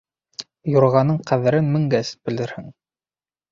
Юрғаның ҡәҙерен, менгәс, белерһең